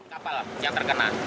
kapal yang terkena